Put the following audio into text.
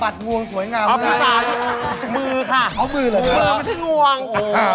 ดืมติดโยค